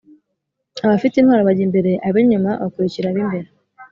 abafite intwaro bajya imbere abo inyuma bakurikira abimbere